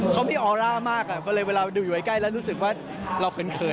เขาไม่ออร่ามากเลยเพราะเลยเวลาดูอยู่ไว้ใกล้แล้วรู้สึกว่าเราเขินเขิน